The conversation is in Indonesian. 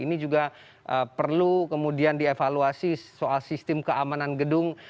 ini juga perlu kemudian dievaluasi soal sistem keamanan gedung